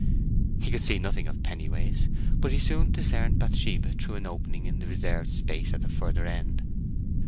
He could see nothing of Pennyways, but he soon discerned Bathsheba through an opening into the reserved space at the further end.